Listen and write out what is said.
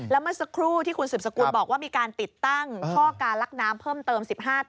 แล้วเมื่อสักครู่ที่คุณสืบสกุลบอกว่ามีการติดตั้งข้อการลักน้ำเพิ่มเติม๑๕ตัว